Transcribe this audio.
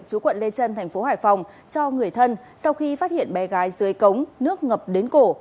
chú quận lê trân thành phố hải phòng cho người thân sau khi phát hiện bé gái dưới cống nước ngập đến cổ